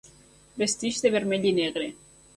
Vesteix de vermell i negre.